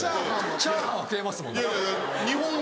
チャーハンは食えますもんだって。